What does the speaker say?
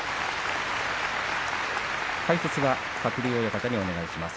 解説は鶴竜親方にお願いします。